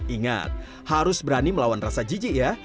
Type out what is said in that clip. ingat harus berani melawan rasa jijik ya